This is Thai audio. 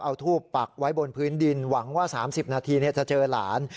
เอาทูบปักไว้บนพื้นดินหวังว่า๓๐นาทีจะเจอหลาน